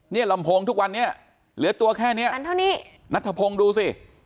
นี่ลำโพงทุกวันนี้เหลือตัวแค่นี้นัทพงดูซิ